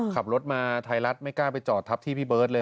ขับรถมาไทยรัฐไม่กล้าไปจอดทับที่พี่เบิร์ตเลย